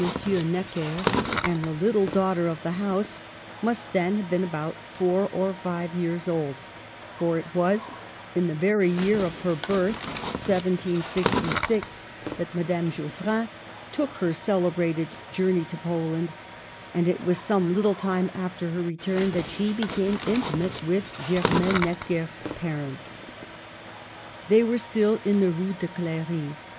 Necker, and the "little daughter" of the house must then have been about four or five years old, for it was in the very year of her birth (1766) that Madame (1) Digitized by VjOOQIC 2 MADAME DE STAML. Geoff rin took her celebrated journey to Poland, and it was some little time, after her return that she became intimate with Germaine Necker's parents. They were still in the Rue de C16ry.